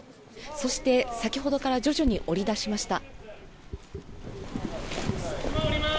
そして、先ほどから徐々に下りだしました。